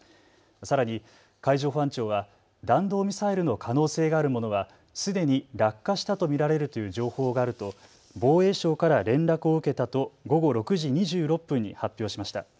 さらに海上保安庁は弾道ミサイルの可能性があるものはすでに落下したと見られるという情報があると防衛省から連絡を受けたと午後６時２６分に発表しました。